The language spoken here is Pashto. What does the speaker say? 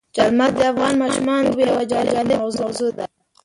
چار مغز د افغان ماشومانو د لوبو یوه جالبه موضوع ده.